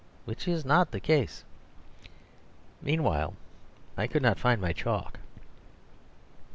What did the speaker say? Which is not the case. Meanwhile, I could not find my chalk.